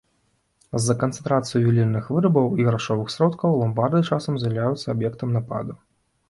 З-за канцэнтрацыі ювелірных вырабаў і грашовых сродкаў ламбарды часам з'яўляюцца аб'ектам нападу.